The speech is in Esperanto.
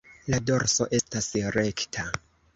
La dorso estas rekta.